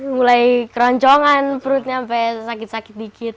mulai keroncongan perutnya sampai sakit sakit dikit